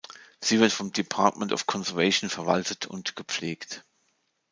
Sie wird vom Department of Conservation verwaltet und gepflegt.